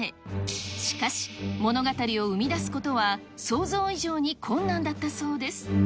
しかし、物語を生み出すことは想像以上に困難だったそうです。